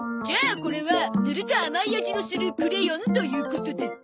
じゃあこれは塗ると甘い味のするクレヨンということで。